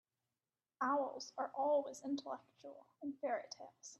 Owls are always intellectual in fairy-tales.